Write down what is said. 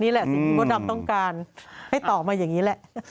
นี่ไหล่สิอุตถับต้องการให้ต่อมาอย่างนี้แหละ